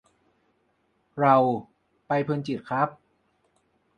เรา : ไปเพลินจิตครับ